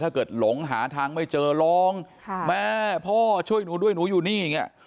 ถ้าเกิดหลงหาทางไม่เจอลองแม่พ่อช่วยหนูด้วยหนูอยู่นี่